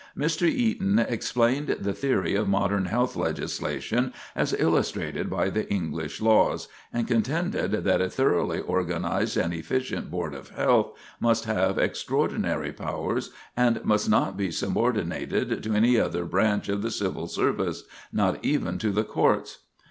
[Sidenote: A Board With Extraordinary Powers] Mr. Eaton explained the theory of modern health legislation as illustrated by the English laws, and contended that a thoroughly organized and efficient board of health must have extraordinary powers, and must not be subordinated to any other branch of the civil service, not even to the courts.